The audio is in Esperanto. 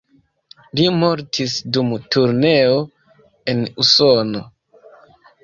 Li mortis dum turneo en Usono.